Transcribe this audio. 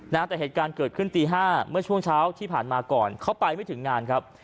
นะฮะแต่เหตุการณ์เกิดขึ้นตีห้าเมื่อช่วงเช้าที่ผ่านมาก่อนเขาไปไม่ถึงงานครับ